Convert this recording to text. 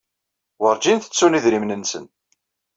Werjin ttettun idrimen-nsen.